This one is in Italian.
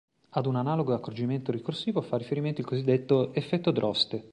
Ad un analogo accorgimento ricorsivo fa riferimento il cosiddetto "effetto Droste".